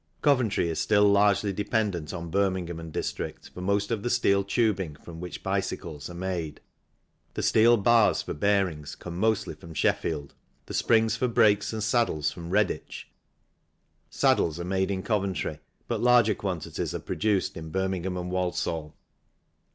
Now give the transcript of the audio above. Coventry is still largely dependent on Birmingham and district for most of the steel tubing from which bicycles are made, the steel bars for bearings come mostly from Sheffield, the springs for brakes and saddles from Redditch ; saddles are made in Coventry but larger quantities are produced in Birmingham and Walsall.